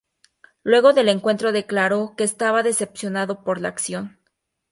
Luego del encuentro declaró que estaba decepcionado por la acción.